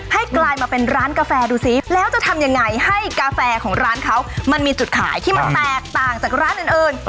กลายมาเป็นร้านกาแฟดูซิแล้วจะทำยังไงให้กาแฟของร้านเขามันมีจุดขายที่มันแตกต่างจากร้านอื่น